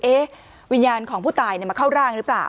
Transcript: วิญญาณของผู้ตายมาเข้าร่างหรือเปล่า